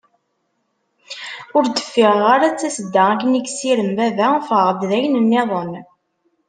Ur d-ffiɣeɣ ara d tasedda akken i yessirem baba, ffɣeɣ-d d ayen-niḍen.